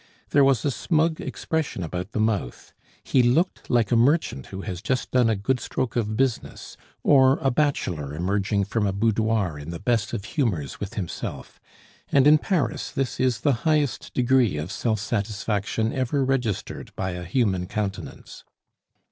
There was a smug expression about the mouth he looked like a merchant who has just done a good stroke of business, or a bachelor emerging from a boudoir in the best of humors with himself; and in Paris this is the highest degree of self satisfaction ever registered by a human countenance.